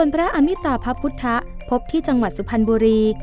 พระอมิตาพระพุทธศัตริย์ต่างไหนภพที่จังหวัดสุพรรณบุรี